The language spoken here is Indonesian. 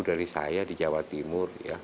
dari saya di jawa timur